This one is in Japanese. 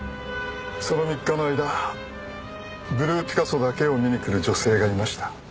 その３日の間ブルーピカソだけを見に来る女性がいました。